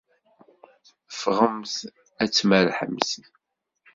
Ffɣemt ad tmerrḥemt!